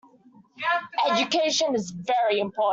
Education is very important.